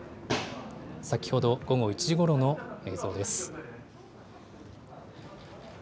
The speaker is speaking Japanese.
先ほど、午後１時ごろの映像です。